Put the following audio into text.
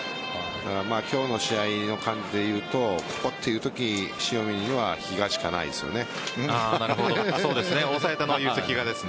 今日の試合の感じでいうとここというとき、塩見には比嘉しかないですね。